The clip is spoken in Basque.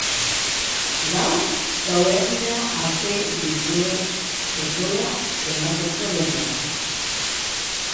Gaur gaerdira arte duzue botoa emateko denbora.